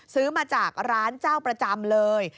ซื้อมาจากร้านเจ้าประจำเลย